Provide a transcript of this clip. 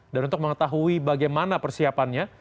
dan untuk mengetahui bagaimana persiapannya